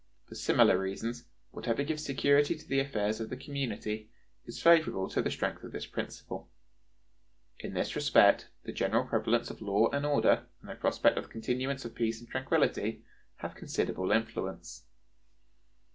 For similar reasons, whatever gives security to the affairs of the community is favorable to the strength of this principle. In this respect the general prevalence of law and order and the prospect of the continuance of peace and tranquillity have considerable influence."